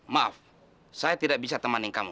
maaf saya tidak bisa temani kamu